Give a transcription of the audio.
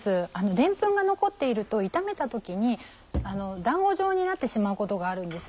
でんぷんが残っていると炒めた時に団子状になってしまうことがあるんです。